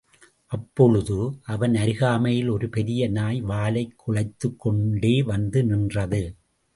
அப்பொழுது– அவன் அருகாமையில் ஒரு பெரிய நாய் வாலைக் குழைத்துக் கொண்டே வந்து நின்றது.